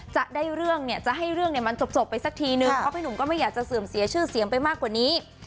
จะได้เรื่องเนี่ยจะให้เรื่องเนี่ยมันจบไปสักทีนึงเพราะพี่หนุ่มก็ไม่อยากจะเสื่อมเสียชื่อเสียงไปมากกว่านี้